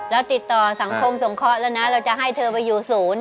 เราติดต่อสังคมสงเคราะห์แล้วนะเราจะให้เธอไปอยู่ศูนย์